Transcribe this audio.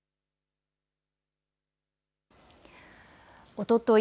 おととい